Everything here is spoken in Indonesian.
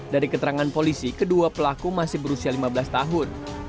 dari keterangan polisi kedua pelaku masih berusia lima belas tahun